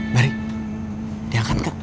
barik diangkat gak